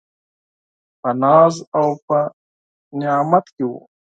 په ناز او په نعمت کي و .